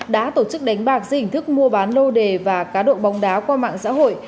đã tổ chức đánh bạc dưới hình thức mua bán lô đề và cá độ bóng đá qua mạng xã hội